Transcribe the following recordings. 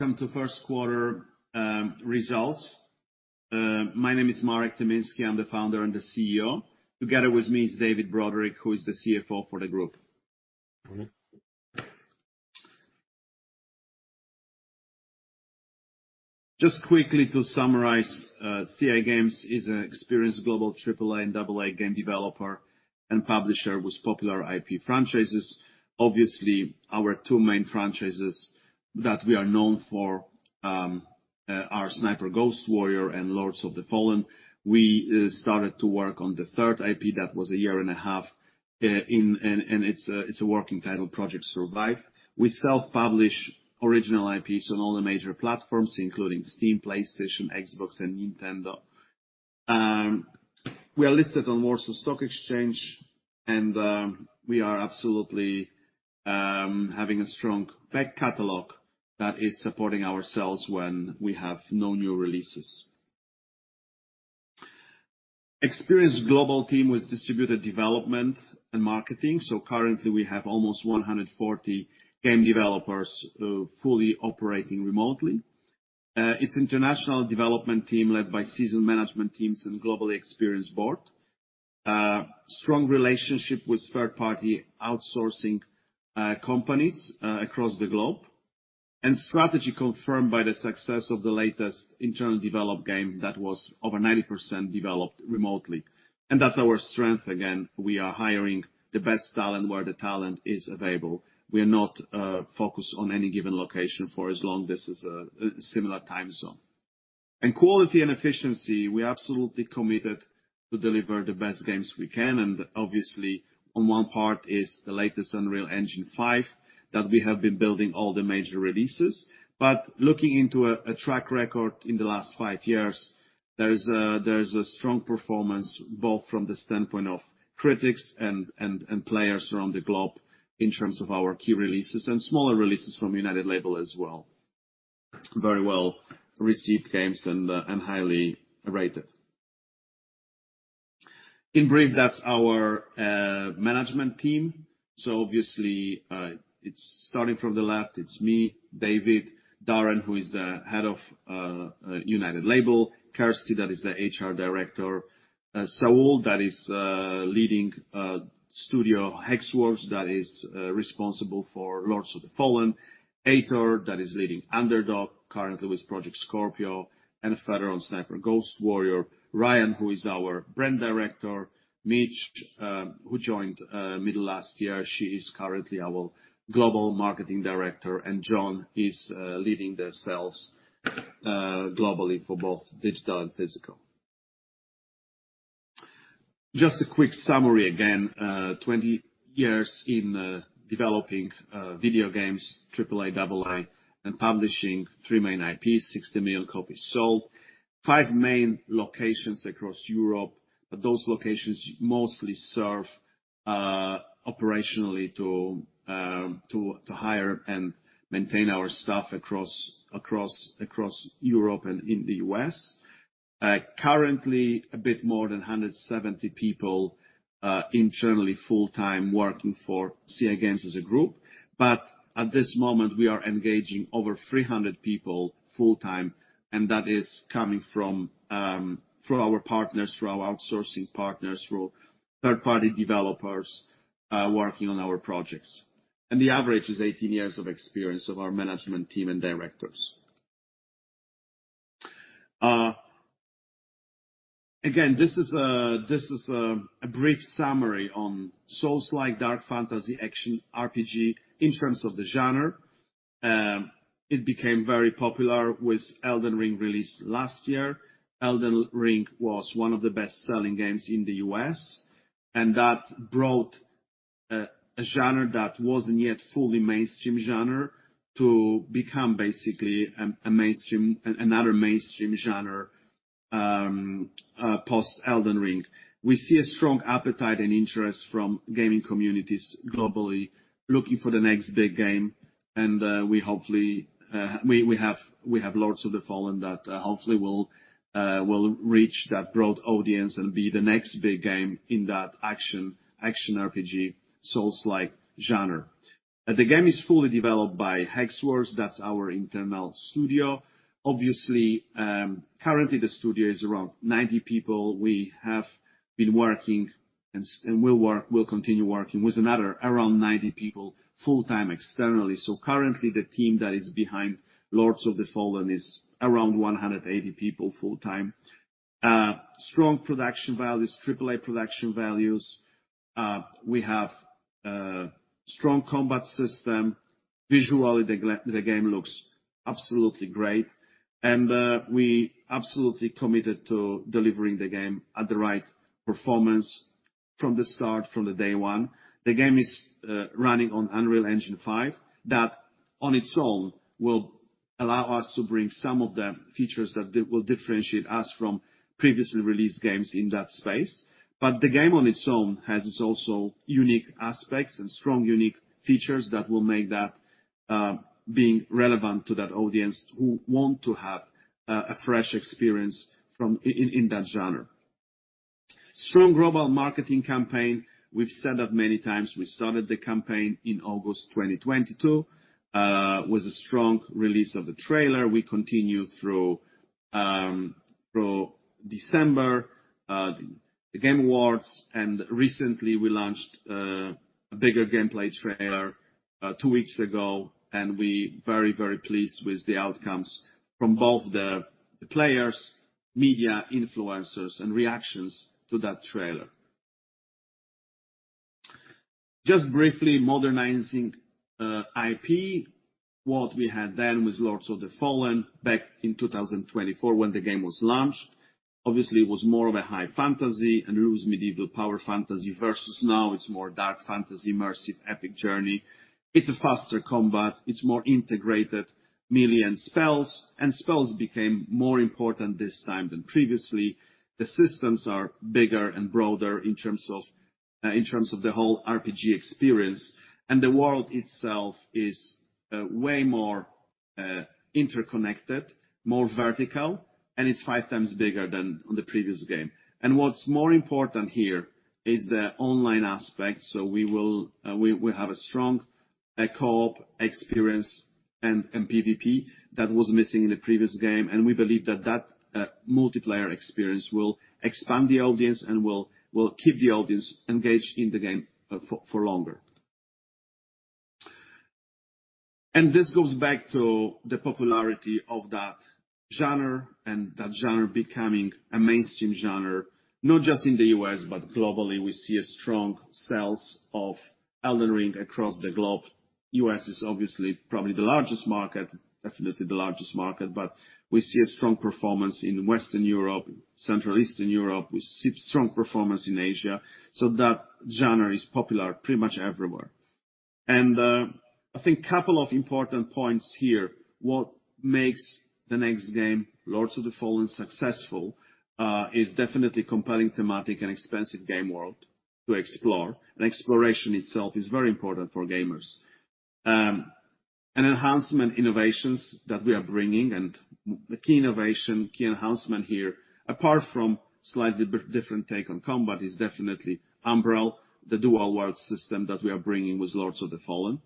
Welcome to first quarter results. My name is Marek Tymiński, I'm the founder and the CEO. Together with me is David Broderick, who is the CFO for the group. Good morning. Just quickly to summarize, CI Games is an experienced global AAA and AA game developer and publisher with popular IP franchises. Obviously, our two main franchises that we are known for are Sniper Ghost Warrior and Lords of the Fallen. We started to work on the third IP that was a year and a half, and it's a working title, Project Survive. We self-publish original IPs on all the major platforms, including Steam, PlayStation, Xbox, and Nintendo. We are listed on Warsaw Stock Exchange, and we are absolutely having a strong back catalog that is supporting ourselves when we have no new releases. Experienced global team with distributed development and marketing. Currently, we have almost 140 game developers fully operating remotely. It's international development team led by seasoned management teams and globally experienced board. Strong relationship with third-party outsourcing companies across the globe, strategy confirmed by the success of the latest internal developed game that was over 90% developed remotely. That's our strength. Again, we are hiring the best talent where the talent is available. We are not focused on any given location for as long this is a similar time zone. Quality and efficiency, we're absolutely committed to deliver the best games we can, and obviously, on one part is the latest Unreal Engine 5, that we have been building all the major releases. Looking into a track record in the last five years, there is a strong performance, both from the standpoint of critics and players around the globe in terms of our key releases and smaller releases from United Label as well. Very well-received games and highly rated. In brief, that's our management team. Obviously, it's starting from the left, it's me, David, Darren, who is the head of United Label, Kirsty, that is the HR director, Saul, that is leading studio Hexworks, that is responsible for Lords of the Fallen. Heitor, that is leading Underdog, currently with Project Scorpio and further on Sniper Ghost Warrior. Ryan, who is our brand director. Mich, who joined middle last year, she is currently our global marketing director. John is leading the sales globally for both digital and physical. Just a quick summary again, 20 years in developing video games, AAA, AA, and publishing three main IPs, 60 million copies sold. Five main locations across Europe, but those locations mostly serve operationally to hire and maintain our staff across Europe and in the U.S. Currently a bit more than 170 people internally, full-time, working for CI Games as a group. At this moment, we are engaging over 300 people full-time, and that is coming from our partners, from our outsourcing partners, from third-party developers working on our projects. The average is 18 years of experience of our management team and directors. Again, this is a brief summary on Soulslike dark fantasy action RPG in terms of the genre. It became very popular with Elden Ring release last year. Elden Ring was one of the best-selling games in the U.S., and that brought, a genre that wasn't yet fully mainstream genre to become basically another mainstream genre, post-Elden Ring. We see a strong appetite and interest from gaming communities globally, looking for the next big game. We have Lords of the Fallen that hopefully will reach that broad audience and be the next big game in that action RPG, Soulslike genre. The game is fully developed by Hexworks. That's our internal studio. Obviously, currently, the studio is around 90 people. We have been working and we'll continue working with another around 90 people full-time, externally. Currently, the team that is behind Lords of the Fallen is around 180 people full-time. Strong production values, AAA production values. We have strong combat system. Visually, the game looks absolutely great, and we absolutely committed to delivering the game at the right performance from the start, from the day one. The game is running on Unreal Engine 5, that on its own, will allow us to bring some of the features that will differentiate us from previously released games in that space. The game on its own has its also unique aspects and strong, unique features that will make that being relevant to that audience who want to have a fresh experience from, in, in that genre. Strong global marketing campaign, we've said that many times. We started the campaign in August 2022 with a strong release of the trailer. We continue through December, The Game Awards, and recently we launched a bigger gameplay trailer two weeks ago, and we very, very pleased with the outcomes from both the players, media influencers, and reactions to that trailer. Just briefly, modernizing, IP, what we had done with Lords of the Fallen back in 2024 when the game was launched. Obviously, it was more of a high fantasy and it was medieval power fantasy, versus now it's more dark fantasy, immersive, epic journey. It's a faster combat, it's more integrated, melee and spells, and spells became more important this time than previously. The systems are bigger and broader in terms of, in terms of the whole RPG experience, and the world itself is way more interconnected, more vertical, and it's 5 times bigger than on the previous game. What's more important here is the online aspect, so we have a strong co-op experience and PVP that was missing in the previous game, and we believe that that multiplayer experience will expand the audience and will keep the audience engaged in the game for longer. This goes back to the popularity of that genre, and that genre becoming a mainstream genre, not just in the U.S., but globally. We see a strong sales of Elden Ring across the globe. U.S. is obviously probably the largest market, definitely the largest market, but we see a strong performance in Western Europe, Central Eastern Europe. We see strong performance in Asia, so that genre is popular pretty much everywhere. I think couple of important points here. What makes the next game, Lords of the Fallen, successful, is definitely compelling thematic and expansive game world to explore. Exploration itself is very important for gamers. Enhancement innovations that we are bringing, and the key innovation, key enhancement here, apart from slightly different take on combat, is definitely Umbral, the dual world system that we are bringing with Lords of the Fallen.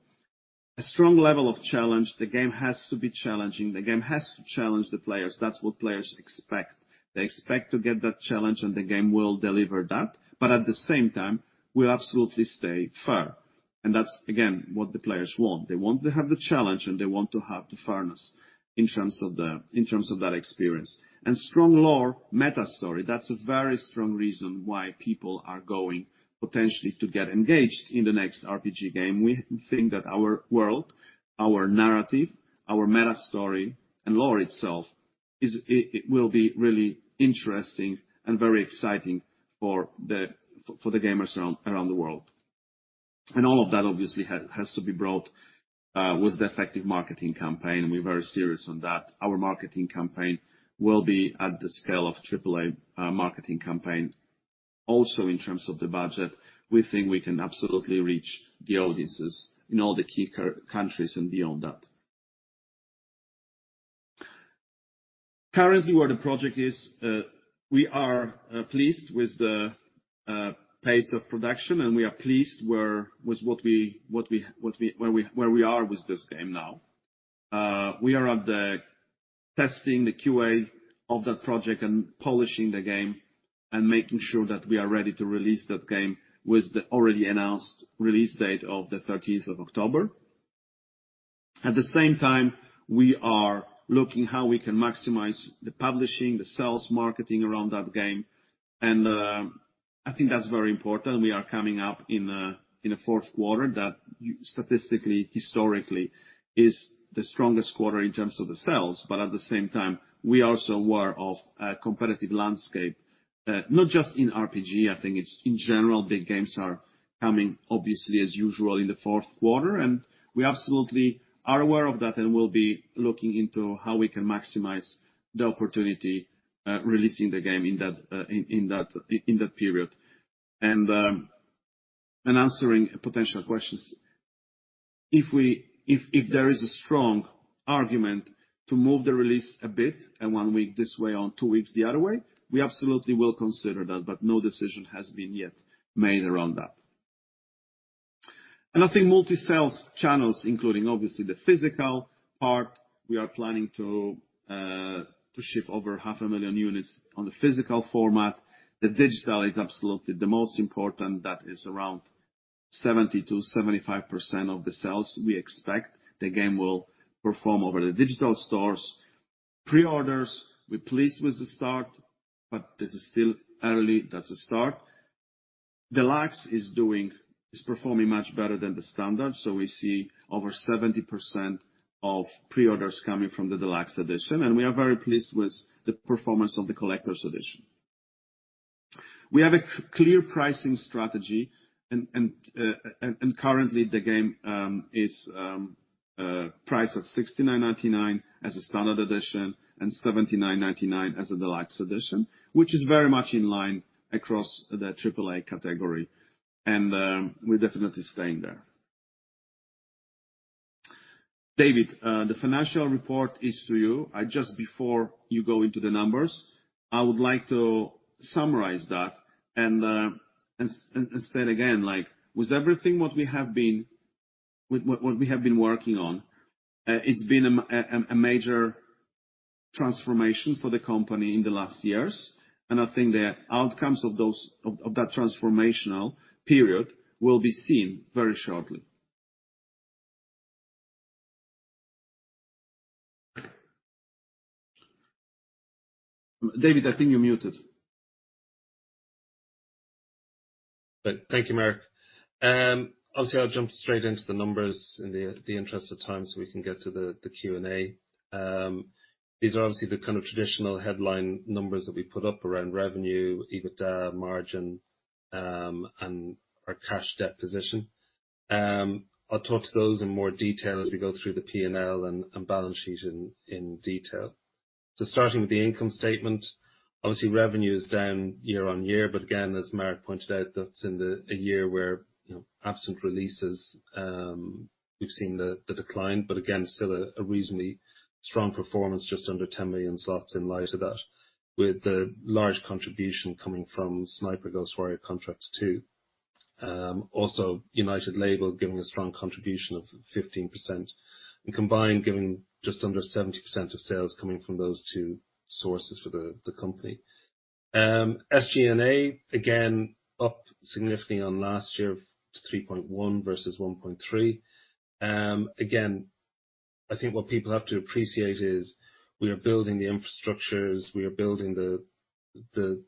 A strong level of challenge, the game has to be challenging. The game has to challenge the players. That's what players expect. They expect to get that challenge, and the game will deliver that, but at the same time, we absolutely stay fair. That's, again, what the players want. They want to have the challenge, and they want to have the fairness in terms of that experience. Strong lore meta story, that's a very strong reason why people are going potentially to get engaged in the next RPG game. We think that our world, our narrative, our meta story, and lore itself it will be really interesting and very exciting for the gamers around the world. All of that, obviously, has to be brought with the effective marketing campaign, and we're very serious on that. Our marketing campaign will be at the scale of AAA marketing campaign. In terms of the budget, we think we can absolutely reach the audiences in all the key countries and beyond that. Currently, where the project is, we are pleased with the pace of production, and we are pleased with what we are with this game now. We are at the testing, the QA of that project, and polishing the game, and making sure that we are ready to release that game with the already announced release date of the thirteenth of October. At the same time, we are looking how we can maximize the publishing, the sales, marketing around that game, and I think that's very important. We are coming up in a fourth quarter that statistically, historically, is the strongest quarter in terms of the sales. At the same time, we are also aware of competitive landscape, not just in RPG, I think it's in general. Big games are coming obviously, as usual, in the fourth quarter. We absolutely are aware of that, and we'll be looking into how we can maximize the opportunity, releasing the game in that period. Answering potential questions, if there is a strong argument to move the release a bit, and one week this way or two weeks the other way, we absolutely will consider that. No decision has been yet made around that. I think multi-sales channels, including obviously the physical part, we are planning to ship over half a million units on the physical format. The digital is absolutely the most important. That is around 70%-75% of the sales we expect the game will perform over the digital stores. Pre-orders, we're pleased with the start. This is still early. That's a start. Deluxe is performing much better than the standard, so we see over 70% of pre-orders coming from the Deluxe Edition, and we are very pleased with the performance of the Collector's Edition. We have a clear pricing strategy, and currently, the game is priced at $69.99 as a standard edition and $79.99 as a Deluxe Edition, which is very much in line across the AAA category. We're definitely staying there. David, the financial report is to you. I just, before you go into the numbers, I would like to summarize that and say it again, like, with everything, what we have been working on, it's been a major transformation for the company in the last years. I think the outcomes of those, of that transformational period will be seen very shortly. David, I think you're muted. Thank you, Marek. Obviously, I'll jump straight into the numbers in the interest of time, so we can get to the Q&A. These are obviously the kind of traditional headline numbers that we put up around revenue, EBITDA, margin, and our cash debt position. I'll talk to those in more detail as we go through the P&L and balance sheet in detail. Starting with the income statement, obviously revenue is down year-on-year, but again, as Marek pointed out, that's in a year where, you know, absent releases, we've seen the decline. Again, still a reasonably strong performance, just under 10 million slots in light of that, with the large contribution coming from Sniper Ghost Warrior Contracts 2. Also, United Label giving a strong contribution of 15%, and combined, giving just under 70% of sales coming from those two sources for the company. SG&A, again, up significantly on last year, to 3.1 versus 1.3. Again, I think what people have to appreciate is we are building the infrastructures, we are building the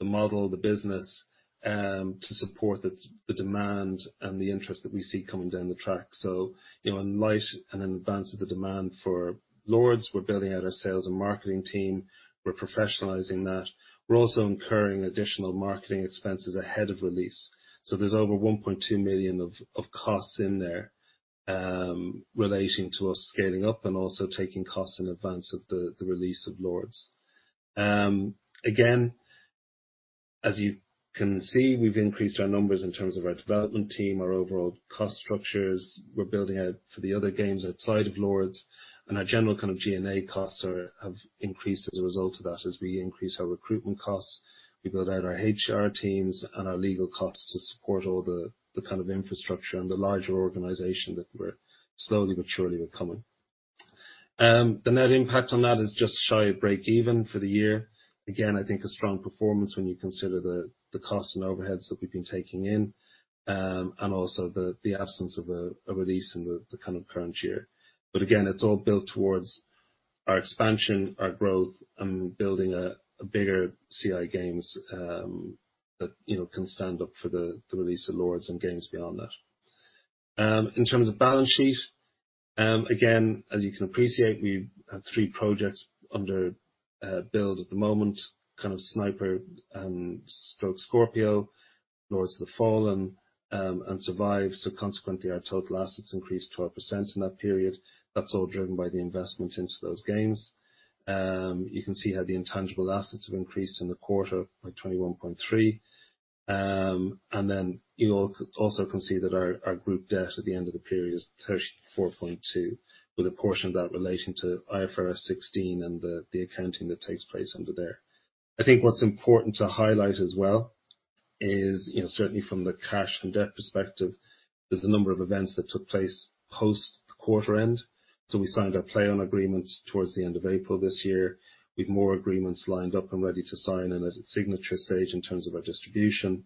model, the business, to support the demand and the interest that we see coming down the track. You know, in light and in advance of the demand for Lords, we're building out our sales and marketing team. We're professionalizing that. We're also incurring additional marketing expenses ahead of release. There's over 1.2 million of costs in there relating to us scaling up and also taking costs in advance of the release of Lords. Again, as you can see, we've increased our numbers in terms of our development team, our overall cost structures. We're building out for the other games outside of Lords, our general kind of G&A costs have increased as a result of that, as we increase our recruitment costs, we build out our HR teams and our legal costs to support all the kind of infrastructure and the larger organization that we're slowly but surely becoming. The net impact on that is just shy of break-even for the year. Again, I think a strong performance when you consider the costs and overheads that we've been taking in, and also the absence of a release in the kind of current year. Again, it's all built towards our expansion, our growth, and building a bigger CI Games, you know, can stand up for the release of Lords and games beyond that. In terms of balance sheet, again, as you can appreciate, we have three projects under build at the moment, kind of Sniper, stroke Scorpio, Lords of the Fallen, and Survive. Consequently, our total assets increased 12% in that period. That's all driven by the investment into those games. You can see how the intangible assets have increased in the quarter by 21.3%. You also can see that our group debt at the end of the period is 34.2, with a portion of that relating to IFRS 16 and the accounting that takes place under there. I think what's important to highlight as well is, you know, certainly from the cash and debt perspective, there's a number of events that took place post the quarter end. We signed our PlayWay agreements towards the end of April this year, with more agreements lined up and ready to sign and at a signature stage in terms of our distribution.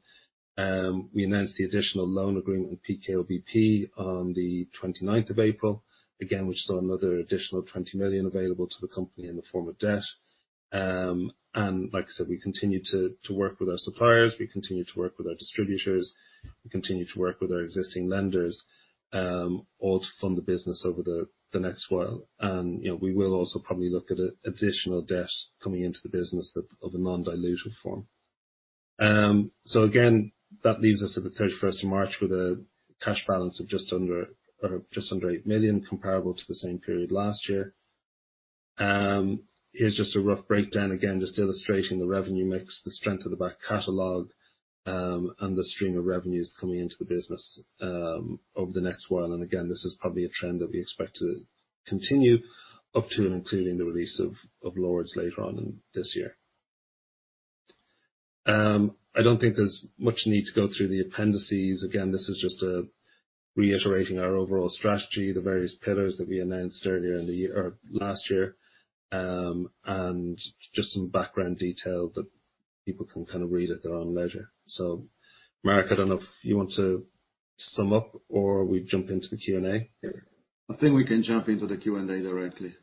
We announced the additional loan agreement with PKO BP on the 29th of April. Again, which saw another additional 20 million available to the company in the form of debt. And like I said, we continue to work with our suppliers, we continue to work with our distributors, we continue to work with our existing lenders, all to fund the business over the next while. You know, we will also probably look at additional debt coming into the business that of a non-dilutive form. Again, that leaves us at the 31st of March with a cash balance of just under 8 million, comparable to the same period last year. Here's just a rough breakdown, again, just illustrating the revenue mix, the strength of the back catalog, and the stream of revenues coming into the business over the next while. Again, this is probably a trend that we expect to continue up to, and including the release of Lords of the Fallen later on in this year. I don't think there's much need to go through the appendices. This is just reiterating our overall strategy, the various pillars that we announced earlier in the year or last year, and just some background detail that people can kind of read at their own leisure. Marek, I don't know if you want to sum up or we jump into the Q&A? I think we can jump into the Q&A directly.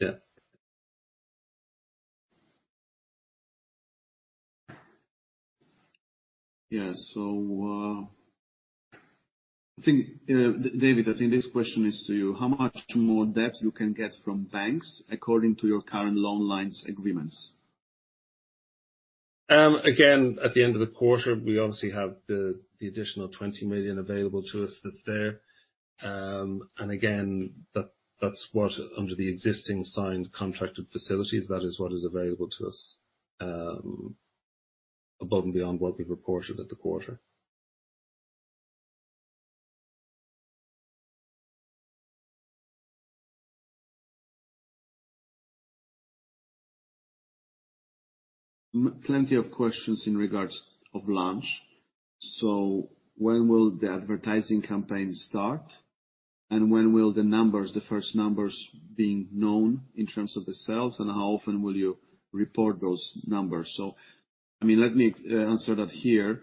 Yeah. Yeah. I think, David, I think this question is to you: How much more debt you can get from banks according to your current loan lines agreements? Again, at the end of the quarter, we obviously have the additional 20 million available to us that's there. Again, that's what, under the existing signed contracted facilities, that is what is available to us. above and beyond what we've reported at the quarter. Plenty of questions in regards of launch. When will the advertising campaign start? When will the numbers, the first numbers, being known in terms of the sales, and how often will you report those numbers? I mean, let me answer that here.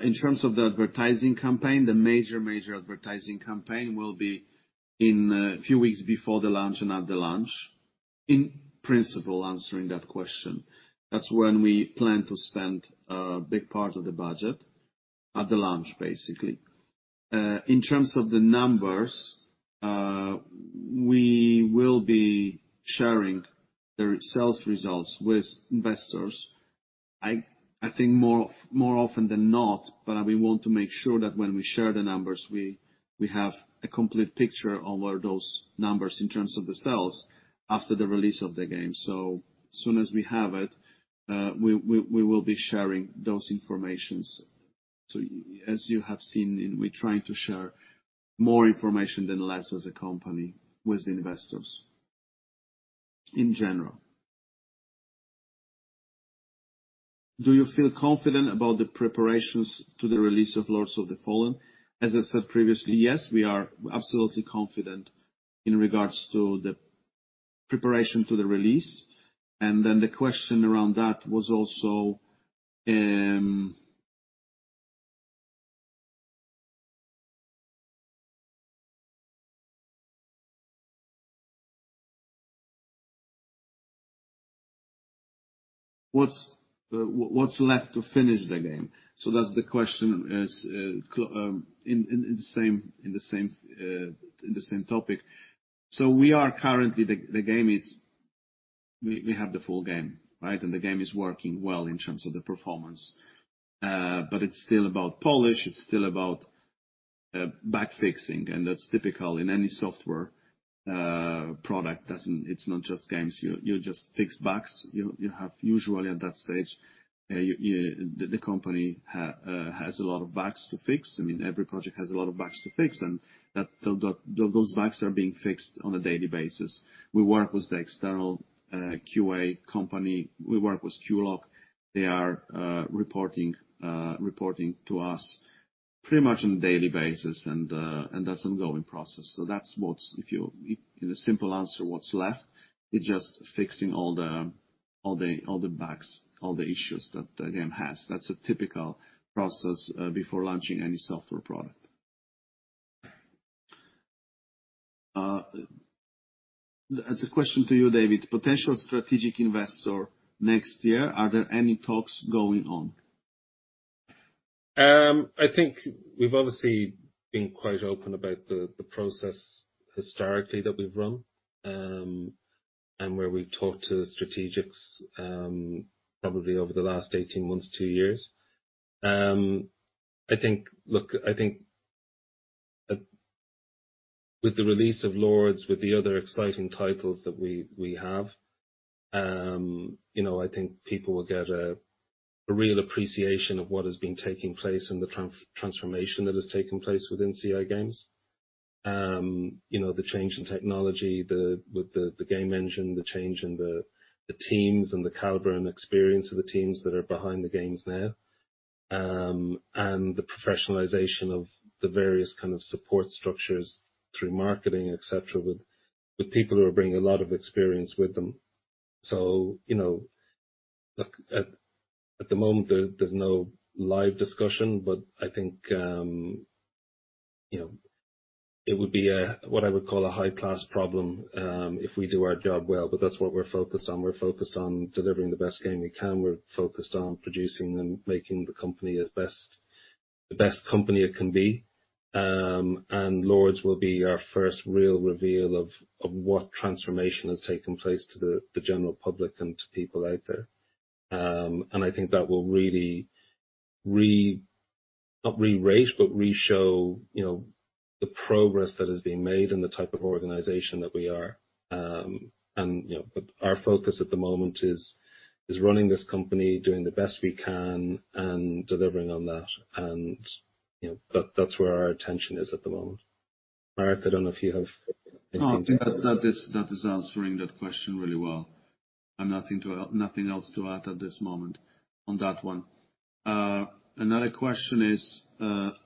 In terms of the advertising campaign, the major advertising campaign will be in a few weeks before the launch and at the launch. In principle, answering that question, that's when we plan to spend a big part of the budget, at the launch, basically. In terms of the numbers, we will be sharing the sales results with investors. I think more often than not, we want to make sure that when we share the numbers, we have a complete picture of what are those numbers in terms of the sales after the release of the game. As soon as we have it, we will be sharing those informations. As you have seen, we're trying to share more information than less as a company with investors in general. Do you feel confident about the preparations to the release of Lords of the Fallen? As I said previously, yes, we are absolutely confident in regards to the preparation to the release. The question around that was also, What's left to finish the game? That's the question is in the same topic. We are currently. The game we have the full game, right? The game is working well in terms of the performance. It's still about polish, it's still about back fixing, and that's typical in any software product. It's not just games. You just fix bugs. You have usually at that stage, the company has a lot of bugs to fix. I mean, every project has a lot of bugs to fix, and those bugs are being fixed on a daily basis. We work with the external QA company. We work with QLOC. They are reporting to us pretty much on a daily basis, and that's an ongoing process. That's what's. The simple answer, what's left, it's just fixing all the bugs, all the issues that the game has. That's a typical process before launching any software product. That's a question to you, David. Potential strategic investor next year, are there any talks going on? I think we've obviously been quite open about the process historically, that we've run, and where we've talked to strategics, probably over the last 18 months, two years. With the release of Lords, with the other exciting titles that we have, you know, I think people will get a real appreciation of what has been taking place and the transformation that has taken place within CI Games. You know, the change in technology, with the game engine, the change in the teams and the caliber and experience of the teams that are behind the games now, and the professionalization of the various support structures through marketing, et cetera, with people who are bringing a lot of experience with them. At the moment, there's no live discussion. I think, you know, it would be a, what I would call a high-class problem, if we do our job well. That's what we're focused on. We're focused on delivering the best game we can. We're focused on producing and making the company the best company it can be. Lords will be our first real reveal of what transformation has taken place to the general public and to people out there. I think that will really not re-rate, but reshow, you know, the progress that has been made and the type of organization that we are. You know, our focus at the moment is running this company, doing the best we can, and delivering on that. That's where our attention is at the moment. Marek, I don't know if you have anything? I think that is answering that question really well. I've nothing to add, nothing else to add at this moment on that one. Another question is. There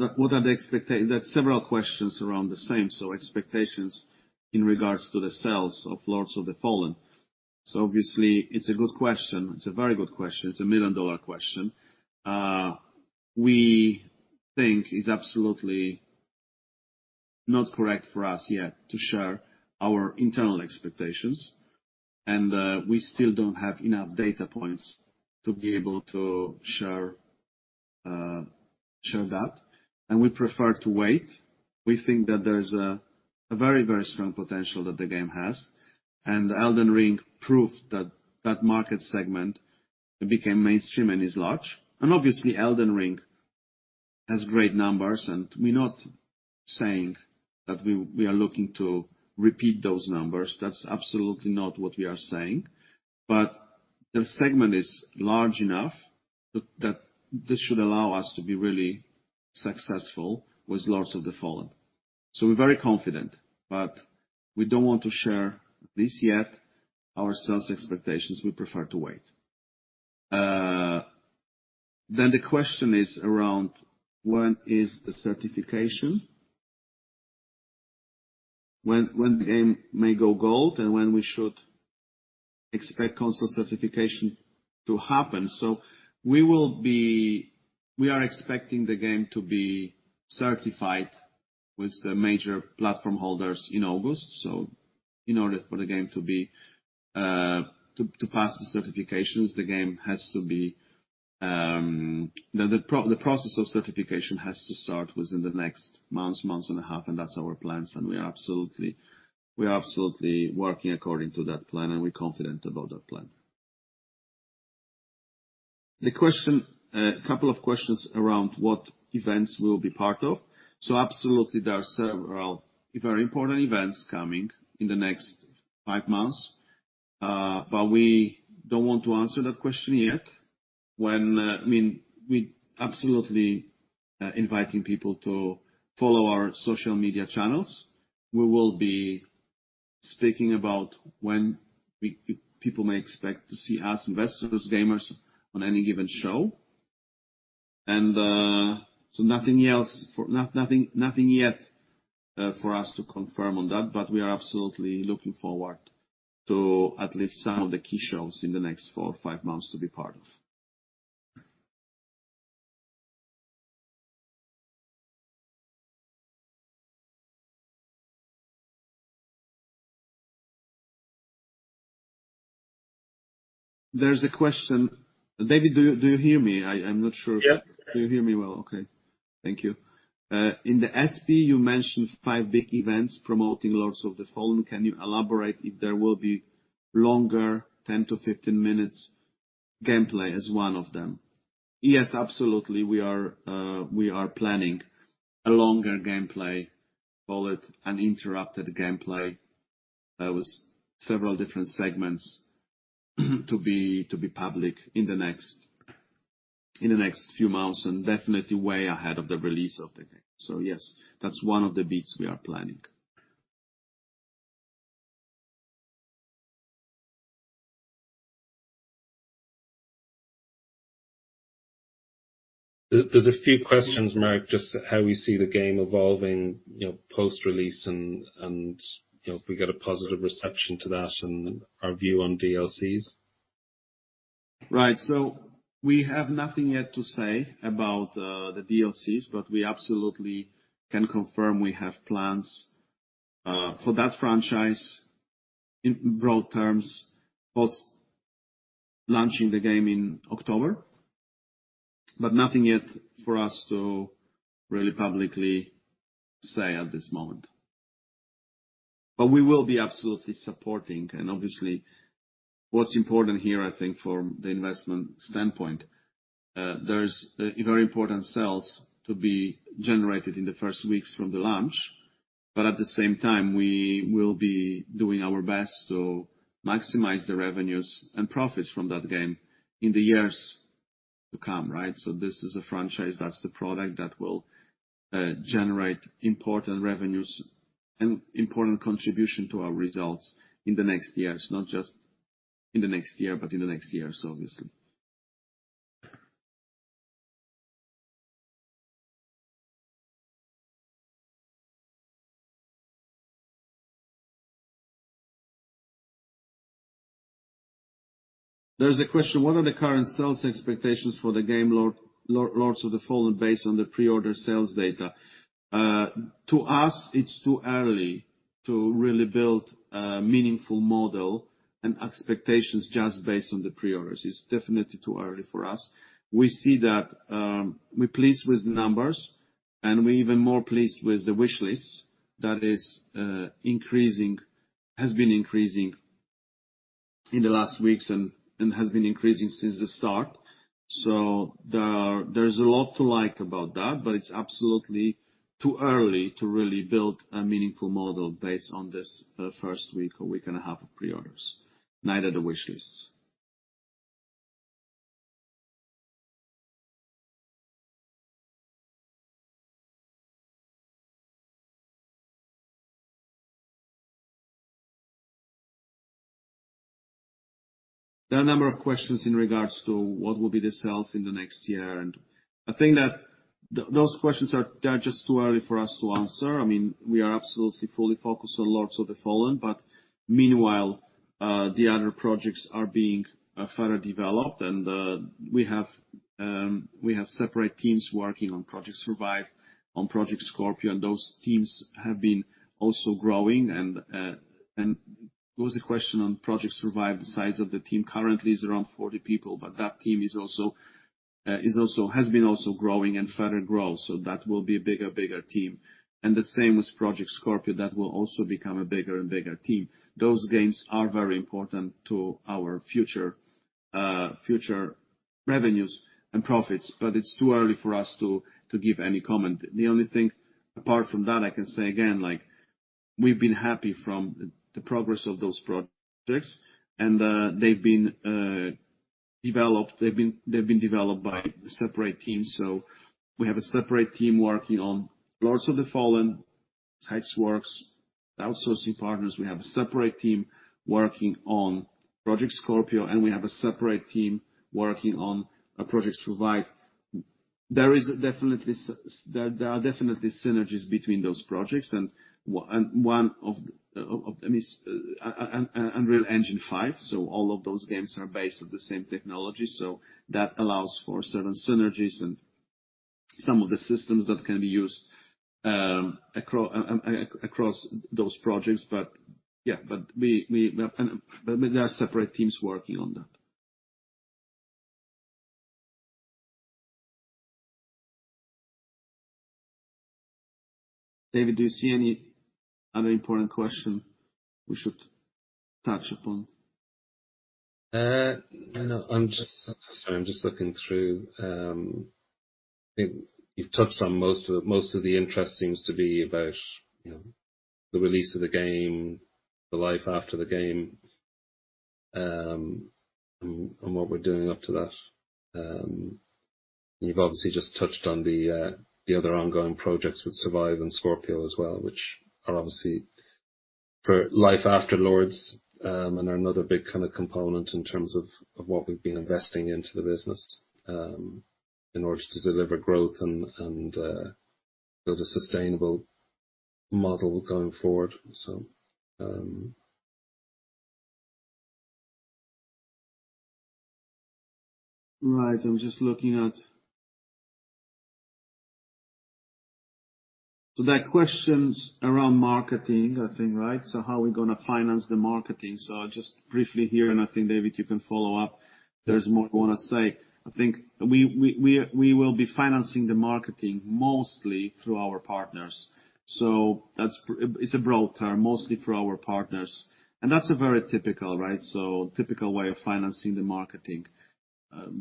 are several questions around the same, expectations in regards to the sales of Lords of the Fallen. Obviously, it's a good question. It's a very good question. It's a million-dollar question. We think it's absolutely not correct for us yet to share our internal expectations, and we still don't have enough data points to be able to share that. We prefer to wait. We think that there's a very strong potential that the game has, and Elden Ring proved that that market segment became mainstream and is large. Obviously, Elden Ring has great numbers. We're not saying that we are looking to repeat those numbers. That's absolutely not what we are saying. The segment is large enough that this should allow us to be really successful with Lords of the Fallen. We're very confident, but we don't want to share this yet, our sales expectations, we prefer to wait. The question is around when is the certification? When the game may go gold, when we should expect console certification to happen. We are expecting the game to be certified with the major platform holders in August. In order for the game to be, to pass the certifications, the game has to be... The process of certification has to start within the next month and a half, that's our plans, we're absolutely working according to that plan, and we're confident about that plan. The question, couple of questions around what events we'll be part of. Absolutely, there are several very important events coming in the next five months, we don't want to answer that question yet. When, I mean, we absolutely inviting people to follow our social media channels. We will be speaking about when people may expect to see us, investors, gamers, on any given show. Nothing yet for us to confirm on that. We are absolutely looking forward to at least some of the key shows in the next four or five months to be part of. There's a question, David, do you hear me? I'm not sure Yep. Do you hear me well? Okay. Thank you. In the SP, you mentioned five big events promoting Lords of the Fallen. Can you elaborate if there will be longer, 10-15 minutes gameplay as one of them? Yes, absolutely. We are planning a longer gameplay, call it uninterrupted gameplay, with several different segments, to be public in the next few months, and definitely way ahead of the release of the game. Yes, that's one of the bits we are planning. There's a few questions, Marek, just how we see the game evolving, you know, post-release and, you know, if we get a positive reception to that and our view on DLCs. Right. We have nothing yet to say about the DLCs, but we absolutely can confirm we have plans for that franchise in broad terms, post-launching the game in October, but nothing yet for us to really publicly say at this moment. We will be absolutely supporting, and obviously, what's important here, I think from the investment standpoint, there's a very important sales to be generated in the first weeks from the launch. At the same time, we will be doing our best to maximize the revenues and profits from that game in the years to come, right? This is a franchise, that's the product that will generate important revenues and important contribution to our results in the next years, not just in the next year, but in the next years, obviously. There's a question: What are the current sales expectations for the game Lords of the Fallen based on the pre-order sales data? To us, it's too early to really build a meaningful model, and expectations just based on the pre-orders. It's definitely too early for us. We see that we're pleased with the numbers, and we're even more pleased with the wish lists that has been increasing in the last weeks and has been increasing since the start. There's a lot to like about that, but it's absolutely too early to really build a meaningful model based on this first week or week and a half of pre-orders, neither the wish lists. There are a number of questions in regards to what will be the sales in the next year. I think that those questions are, they are just too early for us to answer. I mean, we are absolutely fully focused on Lords of the Fallen. Meanwhile, the other projects are being further developed. We have separate teams working on Project Survive, on Project Scorpio. Those teams have been also growing. There was a question on Project Survive. The size of the team currently is around 40 people. That team has been also growing and further grow. That will be a bigger team. The same with Project Scorpio, that will also become a bigger team. Those games are very important to our future revenues and profits, but it's too early for us to give any comment. The only thing apart from that, I can say again, like, we've been happy from the progress of those projects, and they've been developed by separate teams. We have a separate team working on Lords of the Fallen, Hexworks, outsourcing partners. We have a separate team working on Project Scorpio, and we have a separate team working on our Project Survive. There is definitely there are definitely synergies between those projects, and one of, I mean, Unreal Engine 5. All of those games are based on the same technology, so that allows for certain synergies and some of the systems that can be used across those projects. Yeah, but we, but there are separate teams working on that. David, do you see any other important question we should touch upon? No, I'm just sorry, I'm just looking through. I think you've touched on most of it. Most of the interest seems to be about, you know, the release of the game, the life after the game, and what we're doing up to that. You've obviously just touched on the other ongoing projects with Survive and Scorpio as well, which are obviously for life after Lords, and are another big kind of component in terms of what we've been investing into the business in order to deliver growth and build a sustainable model going forward. Right. I'm just looking at. There are questions around marketing, I think, right? How are we gonna finance the marketing? I'll just briefly here, and I think, David, you can follow up if there's more you wanna say. I think we will be financing the marketing mostly through our partners. It's a broad term, mostly through our partners, and that's a very typical, right? Typical way of financing the marketing.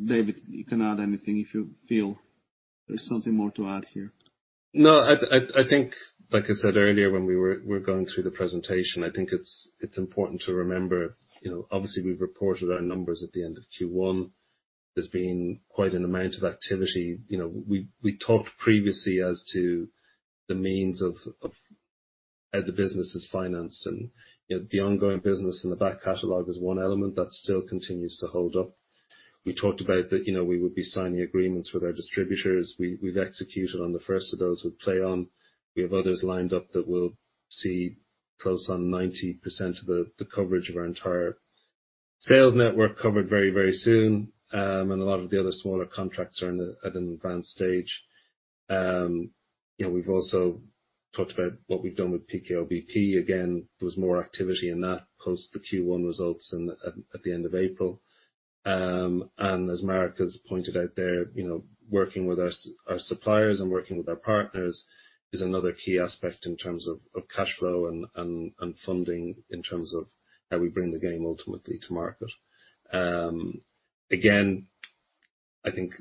David, you can add anything if you feel there's something more to add here. I think, like I said earlier, when we're going through the presentation, I think it's important to remember, you know, obviously, we've reported our numbers at the end of Q1. There's been quite an amount of activity. You know, we talked previously as to the means of how the business is financed and, you know, the ongoing business and the back catalog is one element that still continues to hold up. We talked about that, you know, we would be signing agreements with our distributors. We've executed on the first of those with PlayWay. We have others lined up that will see close on 90% of the coverage of our entire sales network covered very, very soon, and a lot of the other smaller contracts are at an advanced stage. You know, we've also talked about what we've done with PKO BP. There was more activity in that, post the Q1 results at the end of April. As Marek has pointed out there, you know, working with our suppliers and working with our partners is another key aspect in terms of cashflow and funding, in terms of how we bring the game ultimately to market. I think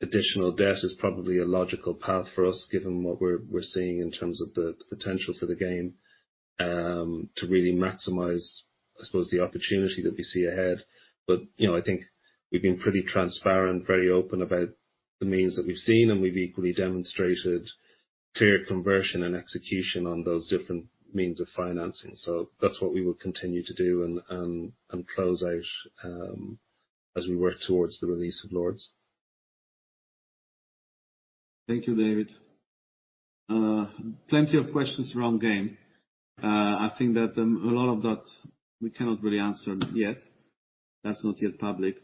additional debt is probably a logical path for us, given what we're seeing in terms of the potential for the game, to really maximize, I suppose, the opportunity that we see ahead. You know, I think we've been pretty transparent, very open about the means that we've seen, we've equally demonstrated clear conversion and execution on those different means of financing. That's what we will continue to do and close out as we work towards the release of Lords. Thank you, David. Plenty of questions around game. I think that a lot of that we cannot really answer yet. That's not yet public.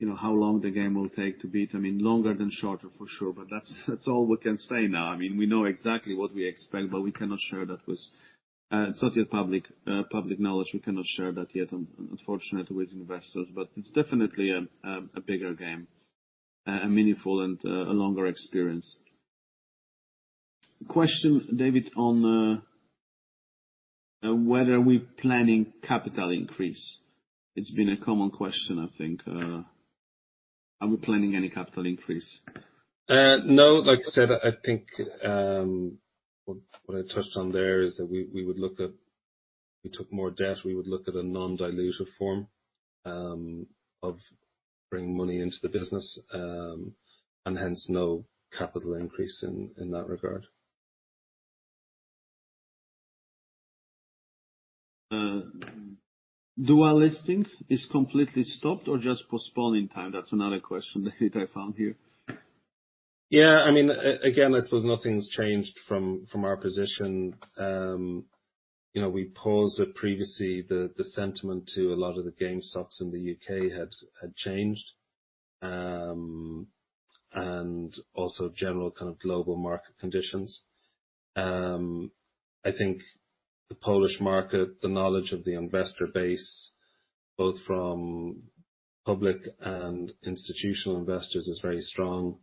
You know, how long the game will take to beat? I mean, longer than shorter, for sure, but that's all we can say now. I mean, we know exactly what we expect, but we cannot share that with it's not yet public public knowledge. We cannot share that yet, unfortunately, with investors, but it's definitely a bigger game, a meaningful and a longer experience. Question, David, on whether we're planning capital increase. It's been a common question, I think, are we planning any capital increase? No, like I said, I think, what I touched on there is that we would look at. If we took more debt, we would look at a non-dilutive form of bringing money into the business, and hence, no capital increase in that regard. Dual listing is completely stopped or just postponed in time? That's another question, David, I found here. Yeah, I mean, again, I suppose nothing's changed from our position. You know, we paused it previously. The sentiment to a lot of the game stocks in the U.K. had changed, and also general kind of global market conditions. I think the Polish market, the knowledge of the investor base, both from public and institutional investors, is very strong.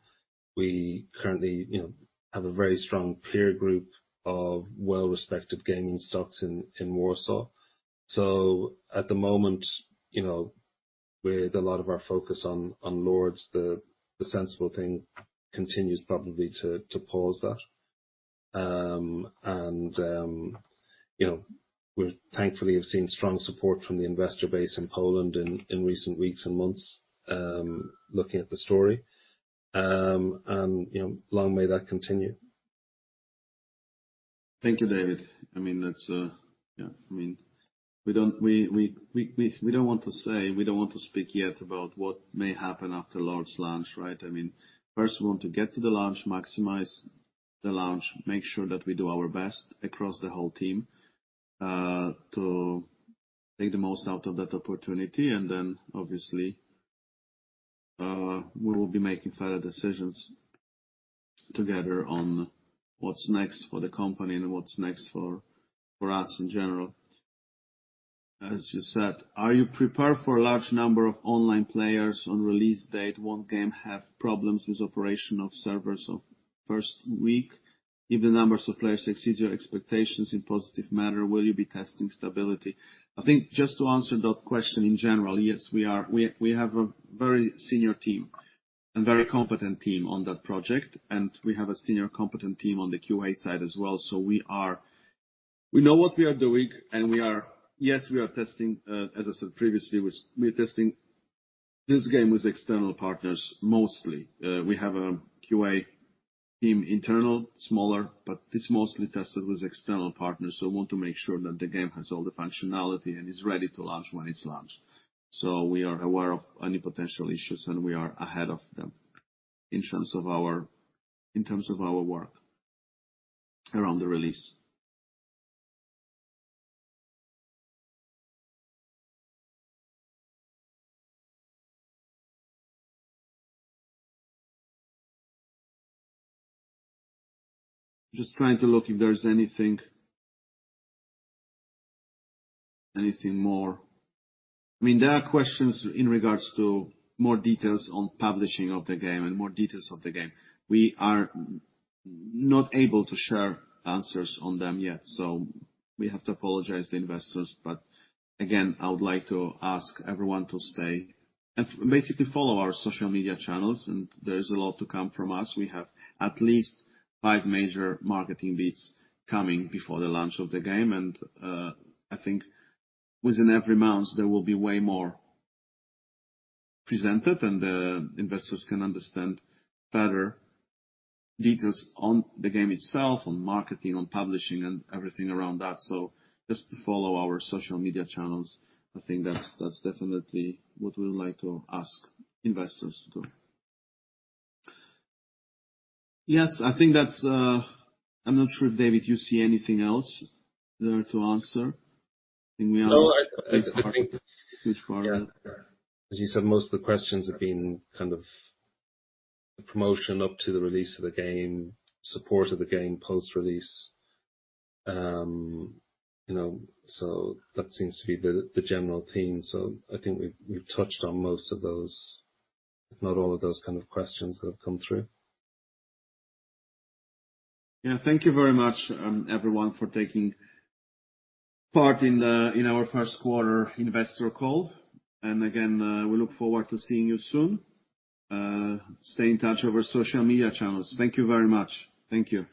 We currently, you know, have a very strong peer group of well-respected gaming stocks in Warsaw. At the moment, you know, with a lot of our focus on Lords, the sensible thing continues probably to pause that. You know, we thankfully have seen strong support from the investor base in Poland in recent weeks and months, looking at the story. You know, long may that continue. Thank you, David. I mean, that's. Yeah, I mean, we don't want to say, we don't want to speak yet about what may happen after Lords launch, right? I mean, first, we want to get to the launch, maximize the launch, make sure that we do our best across the whole team to make the most out of that opportunity, and then, obviously, we will be making further decisions together on what's next for the company and what's next for us in general. As you said, are you prepared for a large number of online players on release date? Won't game have problems with operation of servers of first week? If the numbers of players exceeds your expectations in positive manner, will you be testing stability? I think just to answer that question, in general, yes, we are. We have a very senior team and very competent team on that project, and we have a senior competent team on the QA side as well, so we know what we are doing, and we are. Yes, we are testing, as I said previously, we're testing this game with external partners mostly. We have a QA team, internal, smaller, but it's mostly tested with external partners, so we want to make sure that the game has all the functionality and is ready to launch when it's launched. We are aware of any potential issues, and we are ahead of them in terms of our work around the release. Just trying to look if there's anything more. I mean, there are questions in regards to more details on publishing of the game and more details of the game. We are not able to share answers on them yet, we have to apologize to investors. Again, I would like to ask everyone to stay and basically follow our social media channels, there is a lot to come from us. We have at least five major marketing bits coming before the launch of the game, I think within every month, there will be way more presented, the investors can understand better details on the game itself, on marketing, on publishing, and everything around that. Just to follow our social media channels, I think that's definitely what we would like to ask investors to do. Yes, I think that's, I'm not sure, David, you see anything else there to answer? No, I. Which part? Yeah. As you said, most of the questions have been kind of promotion up to the release of the game, support of the game, post-release. You know, that seems to be the general theme. I think we've touched on most of those, if not all of those kind of questions that have come through. Yeah. Thank you very much, everyone, for taking part in our first quarter investor call. Again, we look forward to seeing you soon. Stay in touch over social media channels. Thank you very much. Thank you.